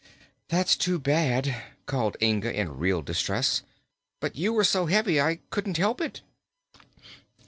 "That's too bad!" called Inga, in real distress; "but you were so heavy I couldn't help it."